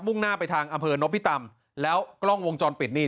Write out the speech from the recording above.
วุ่งหน้าไปทางอเผิณนพิตรรัมแล้วกล้องวงจรปิดนี่